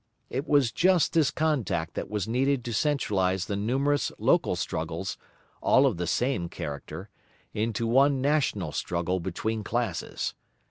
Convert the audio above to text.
It was just this contact that was needed to centralise the numerous local struggles, all of the same character, into one national struggle between classes.